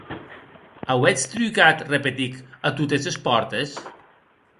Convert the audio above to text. Auetz trucat, repetic, a totes es pòrtes?